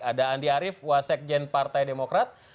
ada andi arief wasekjen partai demokrat